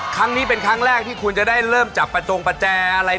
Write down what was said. ครั้งนี้เป็นครั้งแรกที่คุณจะได้เริ่มจับประจงประแจอะไร